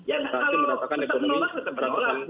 ya kalau tak menolak tetap menolak